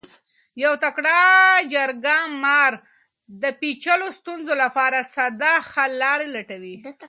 یو تکړه جرګه مار د پیچلو ستونزو لپاره ساده حل لارې لټوي.